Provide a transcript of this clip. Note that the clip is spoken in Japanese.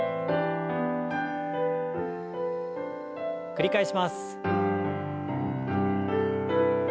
繰り返します。